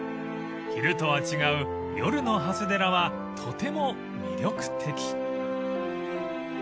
昼とは違う夜の長谷寺はとても魅力的］